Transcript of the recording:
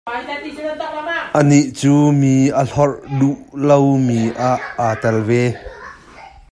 Anih cu mi a lawr duh lomi ah aa tel ve.